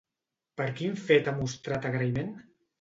Per quin fet ha mostrat agraïment?